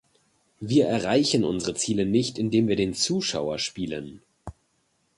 Wir erreichen unsere Ziele nicht, indem wir den Zuschauer spielen.